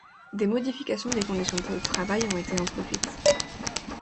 Des modifications des conditions de travail ont été introduites.